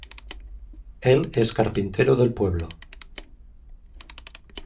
Él es carpintero del pueblo.